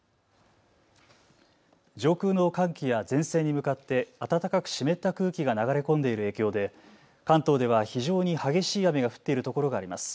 上空の寒気や前線に向かって暖かく湿った空気が流れ込んでいる影響で関東では非常に激しい雨が降っているところがあります。